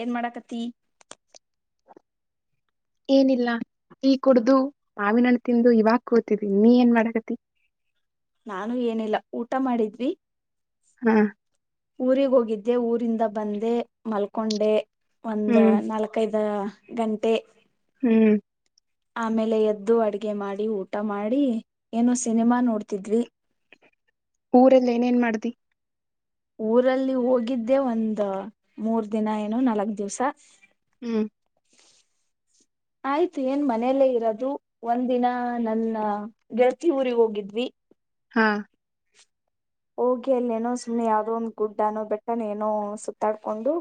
ಏನ್ ಮಾಡಕತಿ ಏನಿಲ್ಲ ಕುಡ್ದು ಮಾಾವಿನಣು ತಿಂದು ಇವಾಗ ಕೂತಿದ್ವಿ ನೀ ಏನ್ ಮಾಡಡಗತಿ ನಾನು ಏನಿಲ್ಲ ಊಟ ಮಾಡಿದ್ವಿ ಹಾ ಊರಿಗೆ ಹೋಗಿದ್ದೆ ಊರಿಂದ ಬಂದೆ ಮಲ್ಕೊಂಡೆ ಒಂದ ಹ್ಮ್ ನಾಲ್ಕೈದ ಗಂಟೆ ಹ್ಮ್ ಆಮೇಲೆ ಎದ್ದು ಅಡಗೆ ಮಾಡಿ ಊಟ ಮಾಡಿ ಏನೋ ಸಿನಿಮಾ ನೋಡ್ತಿದ್ವಿ ಊರಲ್ಲ ಏನೇನ್ ಮಾಡ್ದಿ ಊರಲ್ಲಿ ಹೋಗಿದ್ದೆ ಒಂದ ಮೂರ್ ದಿನ ಏನುೋ ನಾಲ್ಕ್ ದಿವ್ಸ ಹ್ಮ್ [unintelligible] ಆಯ್ತು ಏನ್ ಮನೆಯಲ್ಲೇ ಇರೋದು ಒಂದ್ ದಿನ ನನ್ನ ಗೆಳತಿಿ ಊರಿಗೆ ಹೋಗಿದ್ವಿ ಹಾ ಹೋಗಿ ಅಲ್ಲೇನೋ ಸುಮ್ಮ್ನೆ ಯಾವದೋ ಒಂದು್ ಗುಡ್ನೋ ಬೆಟ್ಟನ ಏನೋ ಸುತ್ತಾಡ್ಕೊಂಡು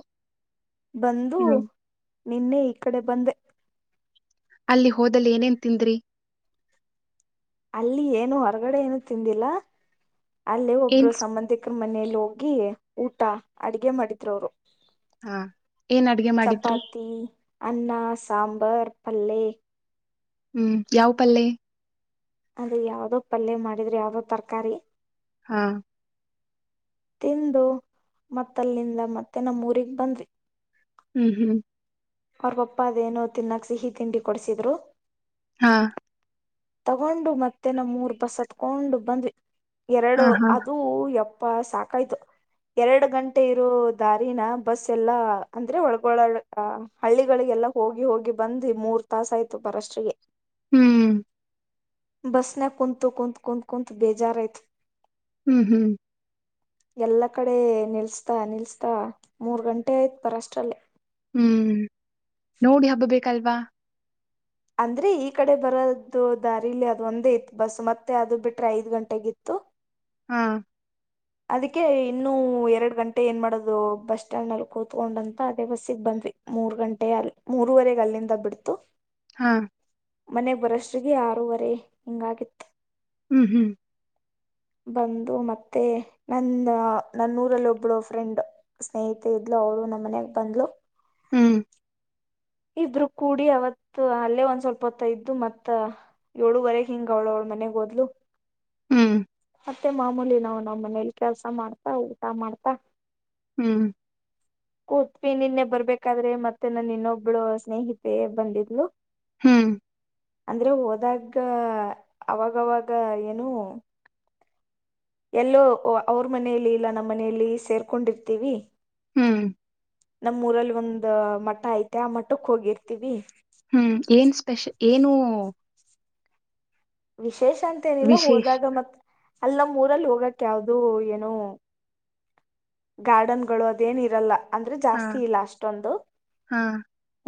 ಬಂದು ಹ್ಮ್ ನಿನ್ನೆ ಈ ಕಡೆ ಬಂದೆ ಅಲ್ಲಿ ಹೋದದಲ್ಲಿ ಏನೇನ್ ತಿಂದ್ರಿ ಅಲ್ಲಿ ಏನು ಹೊರಗಡೆ ಏನು ತಿಂದಿಲ್ಲ ಅಲ್ಲಿ ಏನ್ ಒಬ್ಬರು ಸ್- ಸಂಬಂಧಿಕ ಮನೇಲಿ ಹೋಗಿ ಊಟ ಅಡಗೆ ಮಾಡಿದ್ ಅವ್ರು ಹಾ ಏನ್ ಅಡ್ಗೆ ಮಾಡಿದ್ರು ಚಪಾತಿ ಅನ್ನ ಸಾಂಬರ್ ಪಲ್ಲೆ ಹ್ಮ್ ಯಾವ ಪಲ್ಲೆ ಅದು ಯಾವ್ದೋ ಪಲ್ಯ ಮಾಡಿದ್ರೆ ಯಾವ್ದೋ ತರಕಾರಿ ಹಾ ತಿಂದು ಮತ್ತಲ್ಲಿಂದ ಮತ್ತೆ ನಮ್ಮೂಗ್ ಬಂದಿ ಹ್ಮ್ ಹ್ಮ್ ಅವ್ರ ಬಪ್ಪ ಅದೇನು ತಿನ್ನಕ್ ಸಿಹಿ ತಿಂಡಿ ಕೊಡ್ಸಿದ್ರು ಹಾ ತಗೊಂಡು ಮತ್ತೆ ನಮ್ಮ ಮೂರ್ ಬಸ್ ಹತ್ಕೊಂಡು ಬಂದ್ವಿ ಹ ಎರಡು ಹಾ ಅದು ಎಪ್ಪ ಅಪ ಸಾಕಾಯ್ತು ಎರಡು ಗಂಟೆ ಇರೋ ದಾರಿನ ಬಸ್ ಎಲ್ಲಾ ಅಂದ್ರೆ ಒಳ್ಗೊಳ ಹಳ್ಳಿಗಳಿಗೆಲ್ಲ ಹೋಗಿ ಹೋಗಿ ಬಂದ ಮೂರ್ ತಾಸ ಆಯ್ತು ಬರಷ್ಟಿಗೆ ಹ್ಮ್ ಬಸನ ಕುಂತ್ ಕುಂತ್ ಕುಂತ್ ಕುುಂತ್ ಬೇಜಾರಯತ್ ಹ್ಮ್ ಹ್ಮ್ ಎಲ್ಲ ಕಡೆ ನಿಲ್ಸ್ತಾ ನಿಲ್ಸ್ತಾ ಮೂರ್ ಗಂಟೆ ಆಯ್ತ್ ಬರ ಅಷ್ಟ್ರಲ್ಲೇ ಹ್ಮ್ ನೋಡಿ ಹಬ್ಬ ಬೇಕಲ್ವಾ ಅಂದ್ರೆ ಈ ಕಡೆ ಬರೋದು ದಾರಿಲ್ಲಿ ಅದು ಒಂದೇ ಇತ್ತು ಬಸ್ ಮತ್ತೆ ಅದು ಬಿಟ್ರೆ ಐದ್ ಗಂಟೆಗಿತ್ತು ಹ ಹಾ ಅದಕ್ಕೆ ಇನ್ನುೂ ಎರಡ್ ಗಂಟೆ ಏನ್ ಮಾಡೋದು ಬಸ್ ಸ್ಟ್ಯಾಂಡ್ ಅಲ್ಲಿ ಕೂತ್ಕೊಂಡಂತ ಅದೇ ಬಸ್ಸಿಗೆ ಬಂದ ಮೂರ್ ಗಂಟೆ ಅ ಮೂರವರೆಗೆ ಅಲ್ಲಿಂದ ಬಿಡ್ತು ಹಾ ಮನೆ ಬರಷ್ಟ್ರಿಗೆ ಆಾರೂವರೆ ಹಿಂಗಾಗಿತ್ ಹ್ಮ್ ಹ್ಮ್ ಬಂದು ಮತ್ತೆ ನನ್ನ ನನ್ನೂರಲ್ಲಿ ಒಬ್ಳು ಫ್ರೆಂಡ್ ಸ್ನೇಹಿತ ಇದ್ಲು ಅವರು ನಮ್ಮ ಮನಯಾಗ ಬಂದ್ಲು ಹ್ಮ್ ಇದ್ರು ಕೂಡಿ ಅವತ್ ಅಲ್ಲೇ ಒಂದ್ ಸ್ವಲ್ಪ ಹೊತ್ತ ಇದ್ದು ಮತ್ತ ಏಳುವರೆಗೆ ಹಿಂಗ ಅವಳವಳು ಮನೆಗ್ೋದ್ಲು ಹ್ಮ್ ಮತ್ತೆ ಮಾಮೂಲಿ ನಾ್ ನಮ್ಮ ಮನೇಲಿ ಕೆಲ್ಸ ಮಾಡ್ತಾ ಊಟ ಮಾಡ್ತಾ ಹ್ಮ್ ಪೃತ್ ನಿನ್ನೆ ಬರ್ಬೇಕಾದ್ರೆ ಮತ್ತೆ ನನ್ನ ಇನ್ನೊಬ್ಳು ಸ್ನೇಹಿತೆ ಬಂದಿದ್ಲು ಹ್ಮ್ ಅಂದ್ರೆ ಹೋದಾಗ ಅವಾಗವಾಗ ಏನು ಎಲ್ಲೋ ಅವ್ರ ಮನೆಯಲ್ಲಿ ಇಲ್ಲ ನಮ್ಮ್ ಮನೆಯಲ್ಲಿ ಸೇರ್ಕೊಂಡಿರ್ತೀವಿ ಹ್ಮ್ ಹ್ಮ್ ನಮ್ಮೂಊರಲ್ಲಿ ಒಂದ ಮಠ ಐತೆ ಆ ಮಠಕ್ ಹೋಗಿರ್ತೀವಿ ಹ್ಮ್ ಏನ್ ಸ್ಪೆಷ ಏನು ವಿಶೇಷ ಅಂತ ಏನಿಲ್ಲ ವಿಶೇಷ ಹೋದಾಗ ಮತ್ ಅಲ್ಲಿ ನ ಮೂಊರಲ್ಲಿ ಹೋಗಕ ಯಾವ್ದದು ಏನು ಗಾರ್ಡನ್ ಗಳು ಅದೇನ ಇರಲ್ಲ ಅಂದ್ರೆ ಹಾ ಜಾಸ್ತಿ ಇಲ್ಲ ಅಷ್ಟೊಂದು ಹಾ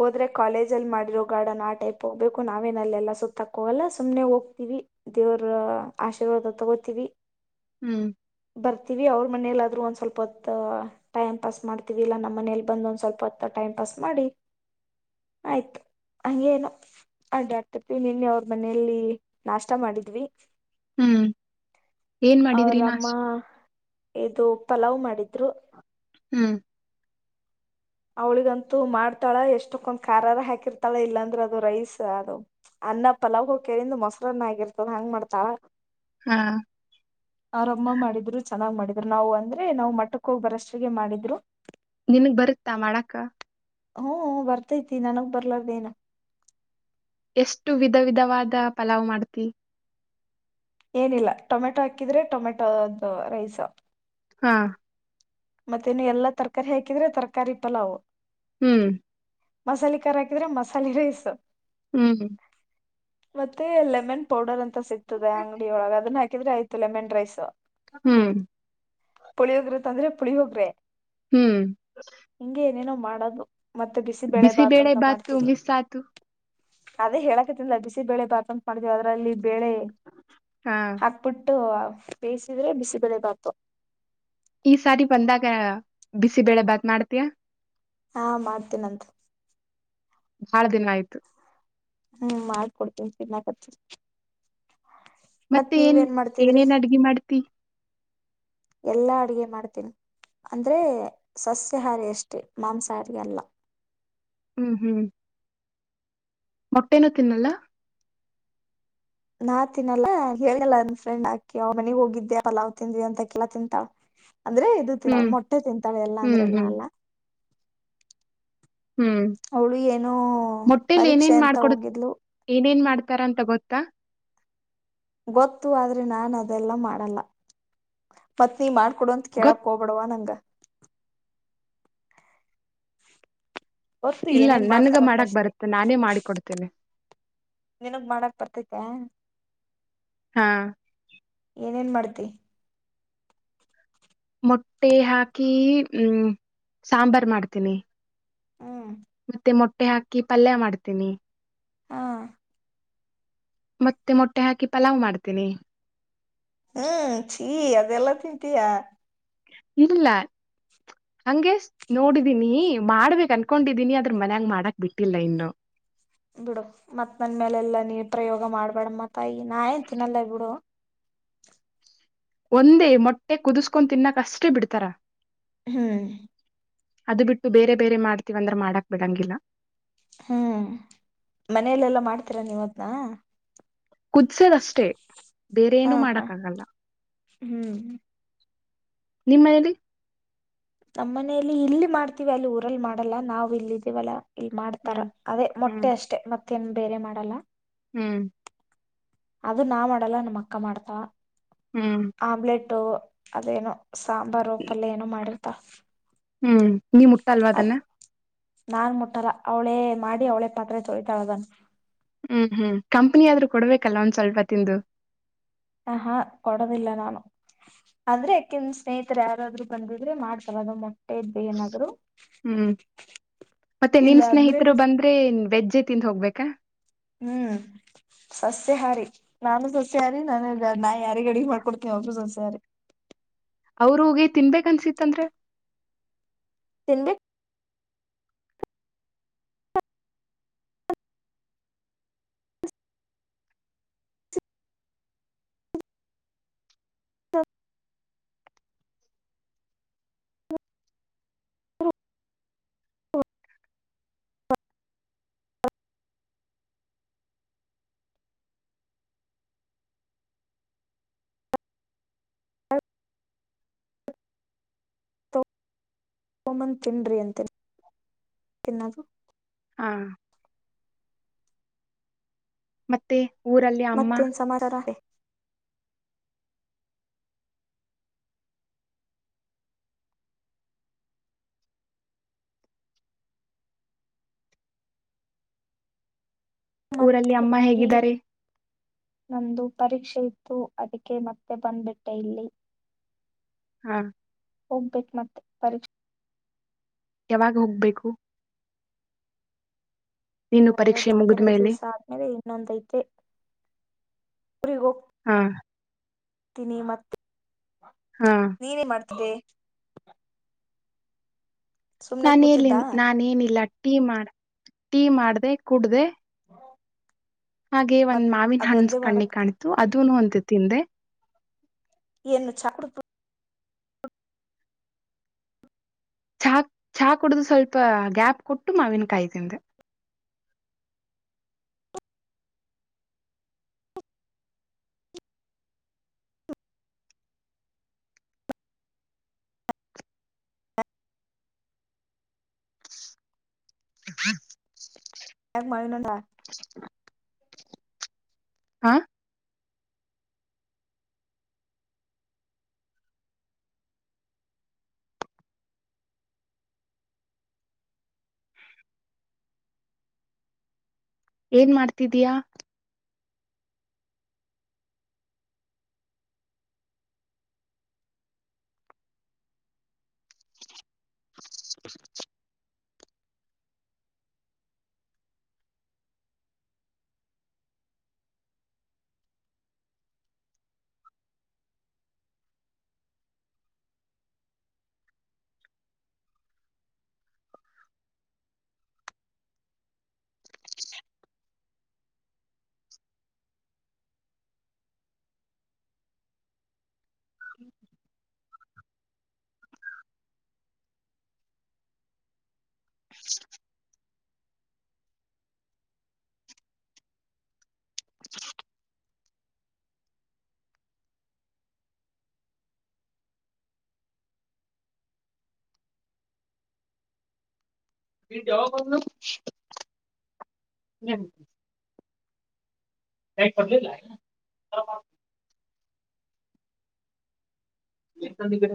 ಹೋದ್ರೆ ಕಾಲೇಜ ಅಲ್ಲಿ ಮಾಡಿರೋ ಗಾರ್ಡನ್ ಆ ಟೈಪ್ ಹೋಗ್ಬೇಕು ನಾವೇನಲ್ಲ ಸುತ್ತಾಕ ಹೋಗಲ್ಲ ಸು್ನೆ ಹೋಗ್ತ ವಿ ದೇವರ ಆಶೀರ್ವಾದ ತಗೋತೀವಿ ಹ್ಮ್ ಬರ್ತೀವಿ ಅವ್ರ ಮನೇೆಯಲ್ಲಿಾದ್ ಒಂದ ಸ್ವಲ್ಪ ಹೊ ಟೈಮ್ ಪಾಸ್ ಮಾಡ್ತೀವಿ ಇಲ್ಲ ನಮ್ಮ್ ಮನೇಲಿ ಬಂದ ಒಂದ್ ಸ್ವಲ್ಪ ಹೊ ಟೈಮ್ ಪಾಸ್ ಮಾಡಿ ಆಯ್ತು ಹಂಗೇನು ಅಡ್ಡ ಆಡ್ತತಿವಿ ನಿನ್ನೆ ಅವ್ರ ಮನೆಯಲ್ಲಿ ನಾಷ್ಟ ಮಾಡಿದ್ವಿ ಹ್ಮ್ ಏನ್ ಮಾಡಿದ್ರಿ ಅವ್ರಮ್ಮ ನಾಷ್ಟ ಇದು ಪಲಾವ್ ಮಾಡಿದ್ರು ಹ್ಮ್ ಅವ್ಳಿಗಂತೂ ಮಾಡ್ತಾಳ ಎಷ್ಟಕ್ಕೊಂದ್ ಖಾರಾರ ಹಾಕಿರ್ತಾಳ ಇಲ್ಲಾಂದ್ರೆ ಅದು ರೈಸ್ ಅದು ಅನ್ನಪ್ಪ ಲವ ಹೋಗ ಕರಿಂದು ಮೊಸರನ್ನ ಆಗಿರ್ತದ ಹಂಗ ಮಾಡ್ತಾವ ಹಾ ಆರಮ್ಮ ಮಾಡಿದ್ರು ಚೆನ್ನಾಗ್ ಮಾಡಿದ್ರು ನಾವು ಅಂದ್ರೆ ನಾ್ ಮಟ್ಟಕ್ಕ ಹೋಗ್ ಬರಷ್ಟಿಗೆ ಮಾಡಿದ್ರು ನಿಮಗ್ ಬರುತ್ತಾ ಮಾಡಾಕ ಹ್ಮ್ ಬರ್ತೈತಿ ನನಗ್ ಬರ್ಲಾರ್ದೇನು ಎಷ್ಟು ವಿಧ ವಿಧವಾದ ಪಲಾವ್ ಮಾಡ್ತಿ ಏನಿಲ್ಲ ಟೊಮೆಟೊ ಹಾಕಿದ್ರೆ ಟೊಮೆಟೊ ರೈಸ್ ಹಾ ಮತ್ತೆ ನೀ ಎಲ್ಲಾ ತರಕಾರಿ ಹಾಕಿದ್ರೆ ತರಕಾರಿ ಪಲಾವ್ ಹ್ಮ್ ಮಸಾಲೆ ಖಾರ ಹಾಕಿದ್ರೆ ಮಸಾಲೆ ರೈಸ್ ಹ್ಮ್ ಹ್ಮ್ ಮತ್ತೆ ಲೆಮನ್ ಪೌಡರ್ ಅಂತ ಸಿಗ್ತದೆ ಅಂಗಡಿಿಯ ಒಳಗೆ ಅದನ್ನ ಹಾಕಿದ್ರೆ ಆಯ್ತು ಲೆಮನ್ ರೈಸ್ ಹ್ಮ್ ಪುಳಿಹೋಗ್ರೆ ತಂದ್ರೆ ಪುಳಿಹೋಗ್ರೆ ಹ್ಮ್ ಮಾಡದು ಮತ್ತೆ ಬಿಸಿ ಬೆಳೆ ಭಾತ ಬಿಸಿಬೇಳೆ ಅಂತ ಬಾತು ಮಾಡ್ತೀವಿ ಮಿಸ್ ಆತು ಅದೇ ಹೇಳಕತಿಲ್ಲ ಬಿಸಿಬೇಳೆ ಬಾತಂತ ಮಾಡ್ತೀವ ಅದ್ರಲ್ಲಿ ಬೇಳೆ ಹಾ ಹಾಕ್ಬಿಟ್ಟ ಬೇಯಿಸಿದ್ರೆ ಬಿಸಿ ಬೆಳೆ ಬಾತು ಈ ಸಾರಿ ಬಂದಾಗ ಬಿಸಿಬೇಳೆ ಬಾತ್ ಮಾಡ್ತೀಯ ಹಾ ಮಾಡ್ತೀನಂತ ಬಹಳ ದಿನ ಆಯ್ತು ಹ್ಮ್ ಮಾಡಕೊಡ್ತೀನ್ ತಿನ್ನಾಕತ್ ಮತ್ ಮತ್ತೆ ಏನ್ ನೀವೇಏನ್ ಮಾಡ್ತಿದ್ರಿ ಏನೇನ್ ಅಡ್ಗಿ ಮಾಡ್ತಿ ಎಲ್ಲಾ ಅಡಗೆ ಮಾಡ್ತೇನಿ ಅಂದ್ರೆ ಸಸ್ಯಾಹಾರಿ ಅಷ್ಟೇ ಮಾಂಸಹಾರಿ ಅಲ್ಲ ಹ್ಮ್ ಹ್ಮ್ ಮೊಟ್ಟೇನ ತಿನ್ನಲ್ಲ ನಾ ತಿನ್ನಲ್ಲ ಹೇಳಲ್ಲ ನಂದ ಫ್ರೆಂಡ್ ಆಕಿ ಅವ ಮನೆಗ್ ಹೋಗಿದ್ದೆ ಪಲಾವ್ ತಿಂದ್ವಿ ಹಾಕಿ ಏಲ್ಲಾ ತಿಂತಾಳ ಅಂದ್ರೆ ಇದು ತಿನ್ನಳ ಹ್ಮ್ ಮೊಟ್ಟೆ ತಿಂತಾಳೆ ಎಲ್ಲಾ ಹ್ಮ್ ಅಂದ್ರೆಲ್ಲ ಹ್ಮ್ ಅಲ್ಲ ಹ್ಮ್ ಅವಳು ಏನೋ ಮೊಟ್ಟೇಲಿ ಪರೀಕ್ಷೆ ಏನೇನ್ ಅಂತ ಮಾಡ್ಕೊಡ ಹೋಗಿದ್ಲು ಏನೇನ್ ಮಾಡ್ ತಾರಂತ ಗೊತ್ತಾ ಗೊತ್ತು ಆದ್ರೆ ನಾ ಅದೆಲ್ಲ ಮಾಡಲ್ಲ ಪತ್ನಿ ಮಾಡ್ ಕೊಡು ಅಂತ ಗೊತ್ತ ಕೇಳಕ್ ಹೋಗ್ಬೇಡ್ವ ನಂಗ ಗತ್ ಇಲ್ಲ ಏನೇನ್ ನನ್ಗ ಮಾಡ್ತಾರಂತ ಮಾಡಕ್ ಅಷ್ಟೇ ಬರುತ್ತೆ ನಾನೇ ಮಾಡಿಕೊಡ್ತೇನೆ ನಿನಗ್ ಮಾಡಕ್ ಬರ್ತೈತಿ ಹಾ ಹಾ ಏನೇನ್ ಮಾಡ್ತಿ ಮೊಟ್ಟೆ ಹಾಕಿ ಹ್ಮ ಸಾಂಬಾರ್ ಮಾಡ್ತೀನಿ ಹ್ಮ ಮತ್ತೆ ಮೊಟ್ಟೆ ಹಾಕಿ ಪಲ್ಯ ಮಾಡ್ತೇನಿ ಹಾ ಮತ್ತೆ ಮೊಟ್ಟೆ ಹಾಕಿ ಪಲಾವ್ ಮಾಡ್ತೇನಿ ಹ್ಮ್ ಚೀ ಅದೆಲ್ಲ ತಿಂತೀಯಾ ಇಲ್ಲ ಹಂಗೆ ನೋಡಿದೀನಿ ಮಾಡ್ಬೇಕಕ್ ಅನ್ಕೊಂಡಿದೀನಿ ಅದ್ರ ಮನ್ಯಂಗ ಮಾಡಕ್ ಬಿಟ್ಟಿಲ್ಲ ಇನ್ನು ಬಿಡು ಮತ್ ನನ್ ಮೇಲೆ ಎಲ್ಲಾ ನೀ ಪ್ರಯೋಗ ಮಾಡ್ಬೇಡಮ್ಮ ತಾಯಿ ನಯಾನ ತಿನ್ನಲ್ಲೇ ಬಿಡು ಒಂದೇ ಮೊಟ್ಟೆ ಕುದಿಸ್ಕೊ ತಿನ್ನಕಷ್ಟೇ ಬಿಡ್ತಾರ ಹ್ಮ್ ಅದು ಬಿಟ್ಟು ಬೇರೆ ಬೇರೆ ಮಾಡ್ತಿವಂದ್ರ ಮಾಡಾಕ್ ಬಿಡಂಗಿಲ್ಲ ಹ್ಮ್ ಮನೆಯಲೆಲ್ಲ ಮಾಡ್ತೀರಾ ನೀವತ್ನ ಕುದ್ಸದಷ್ಟೇ ಬೇರೆೇ ಹಾ ಏನು ಹಾ ಮಾಡಕ್ಕಾಗಲ್ಲ ಹ್ಮ್ ನಿಮ್ಮಲ್ಲಿ ನಮ್ಮ್ ಮನೇಲಿ ಇಲ್ಲಿ ಮಾಡ್ತೀವಿ ಅಲ್ಲಿ ಊರಲ್ಲಿ ಮಾಡಲ್ಲ ನಾವ್ ಇಲ್ಲ ಇದೀವಲ್ಲ ಇಲ್ ಮಾಡ್ತಾರ ಹ್ಮ್ ಅದೇ ಹ್ಮ್ ಮೊಟ್ಟೆ ಅಷ್ಟೆ ಮತ್ತೇನ್ ಬೇರೆ ಮಾಡಲ್ಲ ಹ್ಮ್ ಅದು ನಾ ಮಾಡಲ್ಲ ನಮ್ಮ ಅಕ್ಕ ಮಾಡ್ತಾವ ಹ್ಮ್ ಅದೇನೋ ಸಂಬಾರೂ ಪಲ್ಯ ಏನೋ ಮಾಡಿರ್ತಳ ಹ್ಮ್ ನೀ ಮುಟ್ಟತ ಅಲ್ವಾ ಅದನ್ನ ನಾನ್ ಮುಟ್ಟಲ್ಲ ಅವಳೇ ಮಾಡಿ ಅವಳೇ ಪಾತ್ರೆ ತೊಳಿತಾಳದನ್ ಹ್ಮ್ ಹ್ಮ್ ಕಂಪನಿ ಆದ್ರರು ಕೊಡ್ಬೇಕಲ್ಲ ಒಂದ್ ಸ್ವಲ್ಪ ತಿಂದು ಹ ಹಾ ಕೊಡದಿಲ್ಲ ನಾನು ಆದ್ರೆ ಯಕಿಂದ ಸ್ನೇಹಿತರು ಯಾರಾದ್ರು ಬಂದಿದ್ರೆ ಮಾಡ್ತಲ್ಲದು ಮೊಟ್ಟೆ ಇದ್ದ ಏನಾದ್ರು ಹ್ಮ್ ಮತ್ತೆ ನಿನ್ ಇಲ್ಲ ಅಂದ್ರೆ ಸ್ನೇಹಿತರು ಬಂದ್ರೆ ವೆಜ್ಜೆ ತಿಂದ್ ಹೋಗ್ಬೇಕಾ ಹ್ಮ್ ಸಸ್ಯಹಾರಿ ನಾನು ಸಸ್ಯಹಾರಿ ನಾನು ನಾ ಯಾರಿ ಗ ಅಡಿಗೆ ಮಾಡ್ಕೊಡ್ತೀನ ಅವ್ರಗೂ ಸಸ್ಯಹಾರಿ [unintelligible] ಅವ್ರ ಹೋಗಿ ತಿನ್ಬೇಕನ್ಸಿತ್ತಂದ್ರೆ ತಿಂದೆ ಹ ತೋಮನ್ ತಿನ್ ಅಂತ ತಿನ್ನದು ಹಾ ಮತ್ತೆ ಊರಲ್ಲಿ ಅಮ್ಮ ಮತ್ತೇನ್ ಸಮಾರೋಹ ಊರಲ್ಲಿ ಮತ್ತೆ ಅಮ್ಮ ಊರಿಗೆ ಹೇಗಿದ್ದಾರೆ ನಮ್ದ ಪರೀಕ್ಷೆ ಇತ್ತು ಅದಕ್ಕೆ ಮತ್ತೆ ಬಂದ್ಬಿಟ್ಟೆ ಇಲ್ಲಿ ಹಾ ಓಪೆಕ್ ಮತ್ತೆ ಪರೀಕ್ಷೆ ಯಾವಾಗ ಹೋಗ್ಬೇಕು ನೀನು ಎ ಪರೀಕ್ಷೆ ಮತ್ತೆರಡು ಮುಗಿದ್ಮೇಲೆ ದಿವಸ ಆದ್ಮೇಲೆ ಇನ್ನೊಂದೈತೆ ಹಾ ತಿನಿ ಮತ್ತೆ ಹಾ ನೀನೇನ್ ಮಾಡ್ತಿದ್ದಿದೆ ಸುಮ್ನೆ ನಾನ ನ ಕೂತಿದ್ದಾ ನಾನ ಏನಿಲ್ಲ ಟೀ ಮಾಡ ಟೀ ಮಾಡ್ದ ಕುಡ್ದೆ ಹಾಗೆ ಒಂದ್ ಮತ್ ಮಾವಿನ ಹಣ ಅದೊಂದೇ ಕಣ್ಣಿ ಮಾಡಕ್ ಕಾಣ್ತು ಅದನು ಒ ತಿಂದೆ ಏನು ಚಕಡು ಚಾ ಚಾ ಕುಡ್ದ ಸ್ವಲ್ಪ ಗ್ಯಾಪ್ ಕೊಟ್ಟು ಮಾವಿನ ಕಾಯಿ ತಿಂದೆ ಯಗ ಮಿನದಾ ಹಾ ಏನ್ ಮಾಡ್ತಿದೀಯಾ ಜಾಬ ಒ ಕ ಪಡ್ ಸಂದ ಕಡೆ